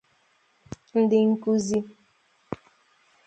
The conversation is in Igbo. ndị nkuzi